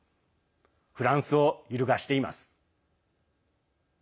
フランスを揺るがしています。